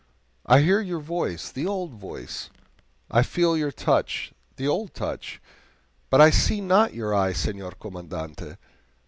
I hear your voice the old voice; I feel your touch the old touch; but I see not your eye, Senor Commandante.